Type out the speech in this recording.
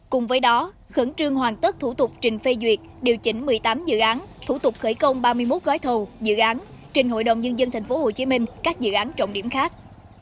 cùng với đó khẩn trương hoàn tất thủ tục trình phê duyệt điều chỉnh một mươi tám dự án thủ tục khởi công ba mươi một gói thầu dự án trình hội đồng nhân dân tp hcm các dự án trọng điểm khác